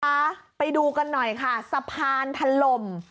ไปดูกันหน่อยค่ะสะพานถล่ม